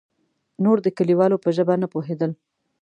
نور د کليوالو په ژبه نه پوهېدل.